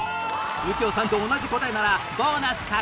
右京さんと同じ答えならボーナス獲得